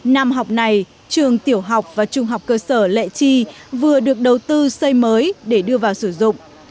năm học này trường tiểu học và trung học cơ sở lệ chi vừa được đầu tư xây mới để đưa vào sử dụng